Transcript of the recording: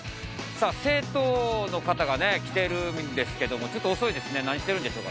さあ、生徒の方がね、来てるんですけれども、ちょっと遅いですね、こんにちは。